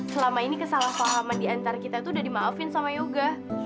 selama ini kesalahpahaman diantara kita itu udah dimaafin sama yoga